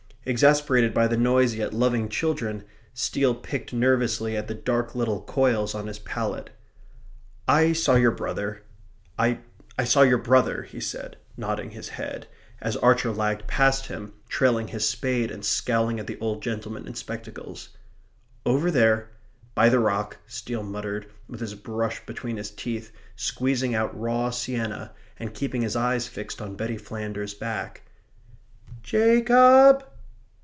Exasperated by the noise, yet loving children, Steele picked nervously at the dark little coils on his palette. "I saw your brother I saw your brother," he said, nodding his head, as Archer lagged past him, trailing his spade, and scowling at the old gentleman in spectacles. "Over there by the rock," Steele muttered, with his brush between his teeth, squeezing out raw sienna, and keeping his eyes fixed on Betty Flanders's back. "Ja cob!